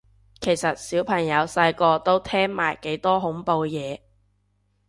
其實小朋友細個都聽埋幾多恐怖嘢